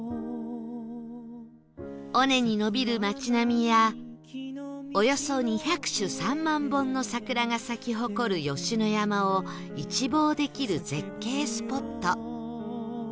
尾根に延びる街並みやおよそ２００種３万本の桜が咲き誇る吉野山を一望できる絶景スポット